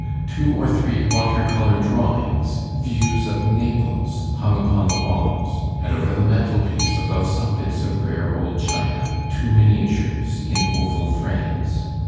Two or three water colour drawings, views of Naples, hung upon the walls; and over the mantelpiece, above some bits of rare old china, two miniatures in oval frames.